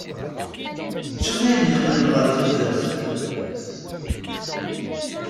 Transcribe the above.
Ttun ayen yeqqnen ɣer tudert.